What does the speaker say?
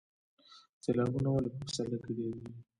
سیلابونه ولې په پسرلي کې ډیر وي؟